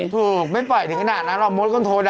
ถูกไม่ปล่อยถึงขนาดนั้นหรอกมดคนโทน